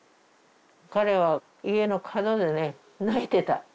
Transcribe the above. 彼は家の角でね泣いてた。